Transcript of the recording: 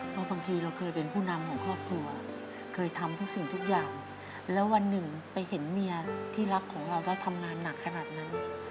เพราะบางทีเราเคยเป็นผู้นำของครอบครัวเคยทำทุกสิ่งทุกอย่างแล้ววันหนึ่งไปเห็นเมียที่รักของเราแล้วทำงานหนักขนาดนั้น